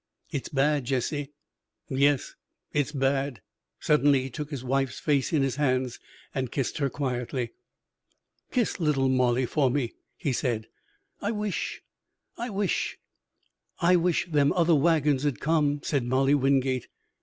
"It's bad, Jesse." "Yes, it's bad." Suddenly he took his wife's face in his hands and kissed her quietly. "Kiss Little Molly for me," he said. "I wish I wish " "I wish them other wagons'd come," said Molly Wingate.